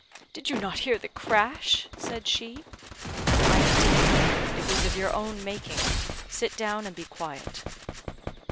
"Did you not hear the crash?" said she. "I did; it was of your own making. Sit down and be quiet."